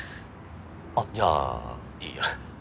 あっじゃあいいや。